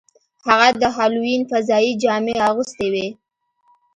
هغه د هالووین فضايي جامې اغوستې وې